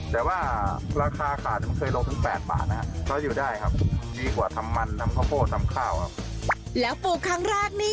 แต่ว่าราคาขาดทั้งแต่ลมตั้ง๘บาท